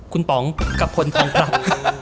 คุณป๋องกับพลทองปราม